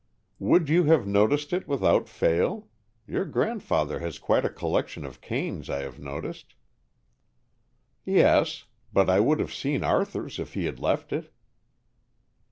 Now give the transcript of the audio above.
"Would you have noticed it, without fail? Your grandfather has quite a collection of canes, I have noticed." "Yes; but I would have seen Arthur's if he had left it."